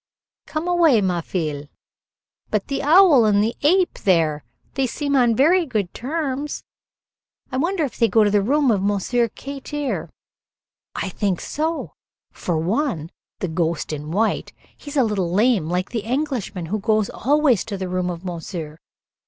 "Come away, ma fille." "But the owl and the ape, there, they seem on very good terms. I wonder if they go to the room of Monsieur Kater! I think so; for one the ghost in white, he is a little lame like the Englishman who goes always to the room of Monsieur.